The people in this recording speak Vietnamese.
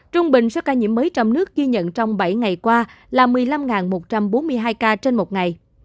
trung bình số ca nhiễm mới trong nước ghi nhận trong bảy ngày qua là một mươi năm một trăm bốn mươi hai ca trên một ngày